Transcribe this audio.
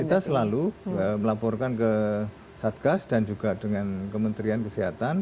kita selalu melaporkan ke satgas dan juga dengan kementerian kesehatan